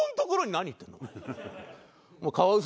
何言ってんの？